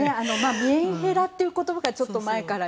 メンヘラという言葉がちょっと前から。